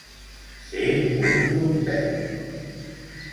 Ser un trompet.